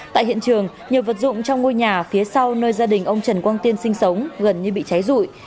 tại hiện trường nhiều vật dụng trong ngôi nhà phía sau nơi gia đình ông trần quang tiên sinh sống gần như bị cháy rụi